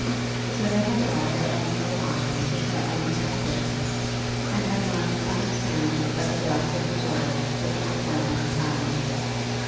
So they had dried their own little eyes with their own little fists, and had learned to understand that the rubs of the world were to be borne in silence.